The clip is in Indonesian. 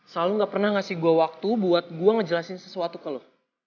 selalu gak pernah ngasih gue waktu buat gue ngejelasin sesuatu ke lo